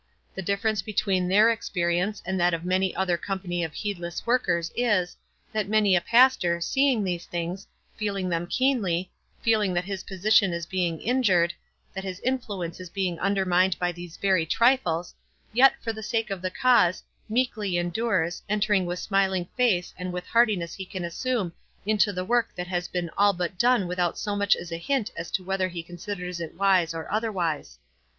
The difference between their experience and that of many another company of heedless workers is, that many a pastor, seeing these things, feel ing them keenly, feeling that his position is be ing injured, that his influence is being under mined by these very trifles, yet, for the sake of the cause, meekly endures, enters with smiling face and what heartiness he can assume into the work that has been all but done without so much as a hint as to whether he considers it wise or otherwise.